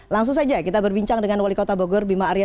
langsung saja kita berbincang dengan wali kota bogor bima arya